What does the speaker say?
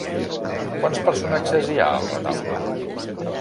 Quants personatges hi ha al retaule?